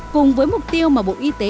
cùng với mục tiêu mà bộ y tế